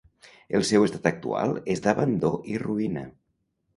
El seu estat actual és d'abandó i ruïna.